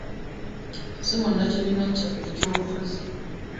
Si munnakibiina kyaffe eky'obufuzi.